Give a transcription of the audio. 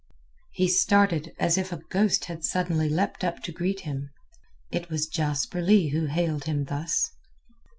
He started as if a ghost had suddenly leapt up to greet him. It was Jasper Leigh who hailed him thus.